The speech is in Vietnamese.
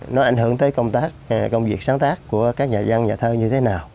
nó ảnh hưởng tới công tác công việc sáng tác của các nhà dân nhà thơ như thế nào